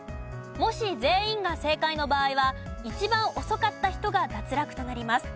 もし全員が正解の場合は一番遅かった人が脱落となります。